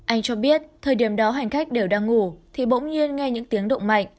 anh cho biết thời điểm đó hành khách đều đang ngủ thì bỗng nhiên nghe những tiếng động mạnh